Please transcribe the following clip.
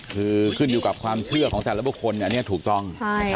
คือขึ้นอยู่กับความเชื่อของแต่ละบุคคลอันนี้ถูกต้อง